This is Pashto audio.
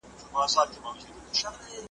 زما ماریکس موټر خوښ دی